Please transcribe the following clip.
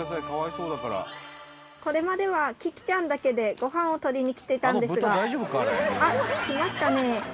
これまではキキちゃんだけでごはんを取りに来ていたんですがあっ来ましたね